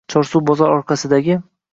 chorsu bozor orqasidagi